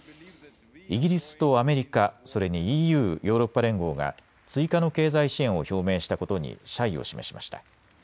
イギリスとアメリカ、それにＥＵ・ヨーロッパ連合が追加の経済支援を表明したことに謝意を示しました。